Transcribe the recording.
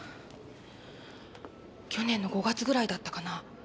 去年の５月ぐらいだったかな。